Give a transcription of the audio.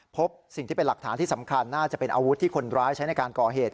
พบสิ่งที่เป็นหลักฐานที่สำคัญน่าจะเป็นอาวุธที่คนร้ายใช้ในการก่อเหตุ